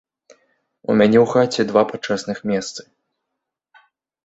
У мяне ў хаце два пачэсных месцы.